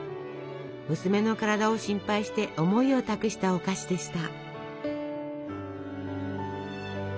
娘の体を心配して思いを託したお菓子でした。